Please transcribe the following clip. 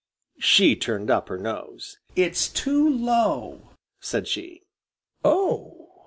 She turned up her nose. "It's too low!" said she. "Oh!"